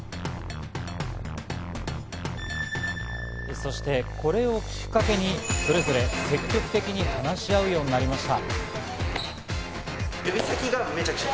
そしてこれをきっかけにそれぞれ積極的に話し合うようになりました。